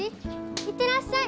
行ってらっしゃい！